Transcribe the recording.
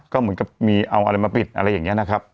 ก็เหมือนกับมีเอาอะไรมาปิดอะไรอย่างนี้นะครับ